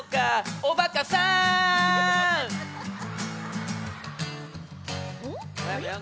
おばかさん！